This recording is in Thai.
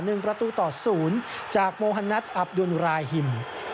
นึงประตูตอด๐จากมโฮนัทอับดุลรายฮิม